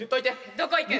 どこ行くん？